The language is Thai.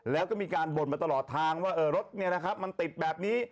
แล้วก็มีการบ่นมาตลอดทางว่าเออรถเนี่ยนะครับมันติดแบบนี้